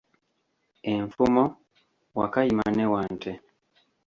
Enfumo: Wakayima ne Wante.